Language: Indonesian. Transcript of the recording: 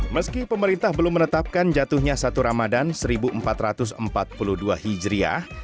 meski pemerintah belum menetapkan jatuhnya satu ramadan seribu empat ratus empat puluh dua hijriah